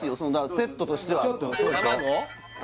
セットとしては卵？